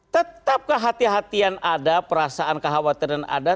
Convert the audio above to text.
tetap kehatian kehatian ada perasaan kekhawatiran ada